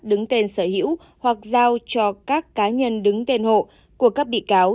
đứng tên sở hữu hoặc giao cho các cá nhân đứng tên hộ của các bị cáo